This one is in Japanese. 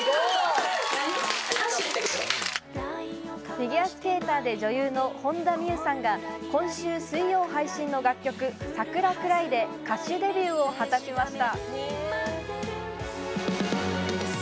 フィギュアスケーターで女優の本田望結さんが今週水曜配信の楽曲『サクラクライ』で歌手デビューを果たしました。